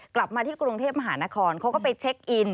กลับมาที่กรุงเทพมหานครเขาก็ไปเช็คอิน